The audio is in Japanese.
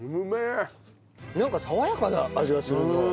なんか爽やかな味がするな。